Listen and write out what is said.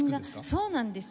そうなんです。